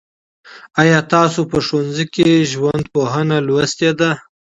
آیا تاسو په ښوونځي کي ژوندپوهنه لوستې ده؟